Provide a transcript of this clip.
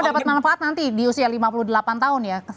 dapat manfaat nanti di usia lima puluh delapan tahun ya